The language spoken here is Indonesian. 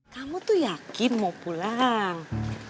kamu tuh yakin mau pulang